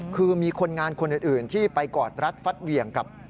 คือมีคนงานคนอื่นที่ไปกอดรัดฟัดเหวี่ยงกับ